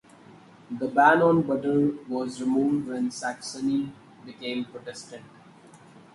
The ban on butter was removed when Saxony became Protestant.